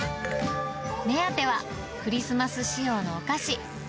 目当ては、クリスマス仕様のお菓子。